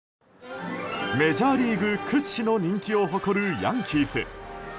メジャーリーグ屈指の人気を誇るヤンキース。